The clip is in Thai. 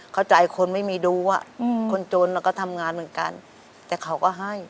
เข้าใจคนไม่มีดูอ่ะคนจนเราก็ทำงานเหมือนกันแต่เขาก็ให้